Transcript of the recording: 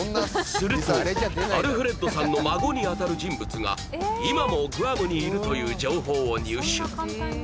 するとアルフレッドさんの孫にあたる人物が今もグアムにいるという情報を入手